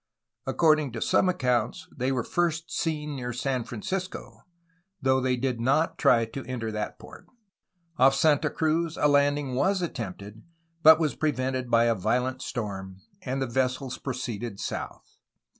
According to. some accounts they were first seen near San Francisco, though they did not try to enter that port. Off Santa Cruz a landing was attempted, but was prevented by a violent storm, and the vessels proceeded south.